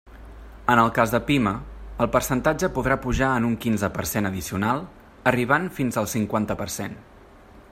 En el cas de pime, el percentatge podrà pujar en un quinze per cent addicional, arribant fins al cinquanta per cent.